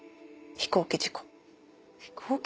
飛行機事故？